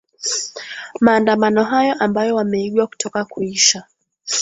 maandamano hayo ambayo wameigwa kutoka kuisha